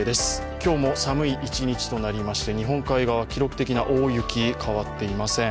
今日も寒い一日となりまして、日本海側、記録的な大雪、変わっていません。